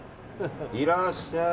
いらっしゃい。